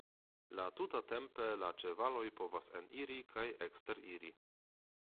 La tuta tempe la ĉevaloj povas eniri kaj eksteriri.